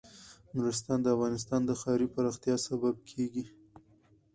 نورستان د افغانستان د ښاري پراختیا سبب کېږي.